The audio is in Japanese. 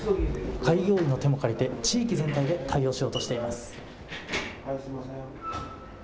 開業医の手も借りて、地域全体で対応しようとしています。